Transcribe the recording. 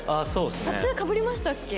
撮影かぶりましたっけ？